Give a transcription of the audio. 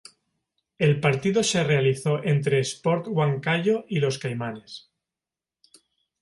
El partido se realizó entre Sport Huancayo y Los Caimanes.